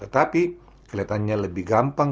tapi kelihatannya lebih gampang